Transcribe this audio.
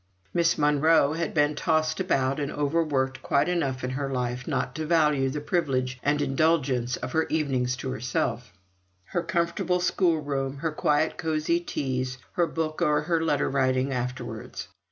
Miss Monro had been tossed about and overworked quite enough in her life not to value the privilege and indulgence of her evenings to herself, her comfortable schoolroom, her quiet cozy teas, her book, or her letter writing afterwards.